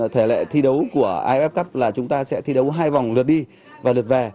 thể lệ thi đấu của iff cup là chúng ta sẽ thi đấu hai vòng lượt đi và lượt về